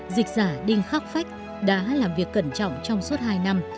dịch giả đinh khắc phách đã làm việc cẩn trọng trong suốt hai năm